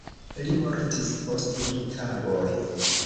Li mortis post du tagoj.